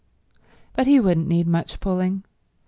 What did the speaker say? But he wouldn't need much pulling.